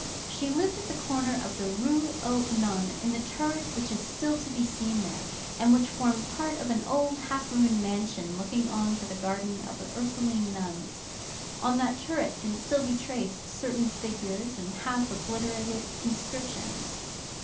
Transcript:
She lived at the corner of the Rue aux Nonnes, in the turret which is still to be seen there, and which formed part of an old half ruined mansion looking on to the garden of the Ursuline nuns. On that turret can still be traced certain figures and half obliterated inscriptions.